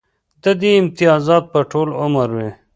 د دې امتیازات به ټول عمر وي